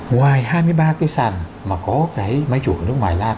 ngoài hai mươi ba cái sàn mà có cái máy chủ của nước ngoài làm